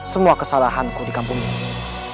semua kesalahanku di kampung ini